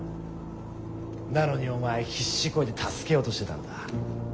なのにお前必死こいて助けようとしてたんだ。